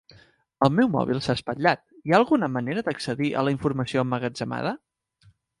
El meu mòbil s'ha espatllat, hi ha alguna manera d'accedir a la informació emmagatzemada?